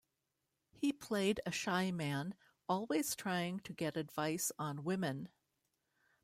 He played a shy man, always trying to get advice on women.